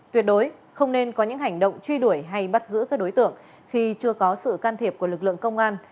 tuyệt đối không nên có những hành động truy đuổi hay bắt giữ các đối tượng khi chưa có sự can thiệp của lực lượng công an